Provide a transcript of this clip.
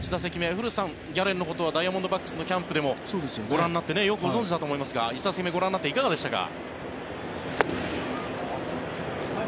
古田さん、ギャレンのことはダイヤモンドバックスのキャンプでもご覧になってよくご存じだと思いますが１打席目ご覧になっていかがでしたか？